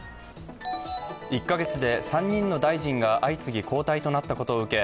１か月で３人の大臣が相次ぎ交代となったことを受け